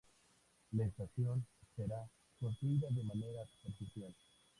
La estación será construida de manera superficial.